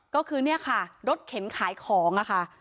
ก็คือเนี่ยค่ะรถเข็นขายของค่ะ